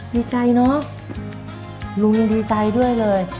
ดีใจเนอะลุงยังดีใจด้วยเลย